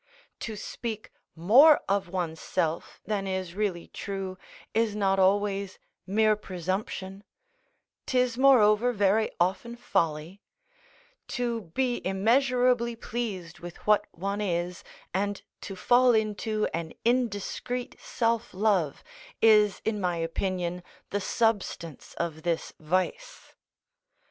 To speak more of one's self than is really true is not always mere presumption; 'tis, moreover, very often folly; to, be immeasurably pleased with what one is, and to fall into an indiscreet self love, is in my opinion the substance of this vice.